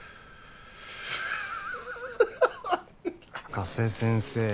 加瀬先生